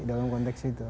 dalam konteks itu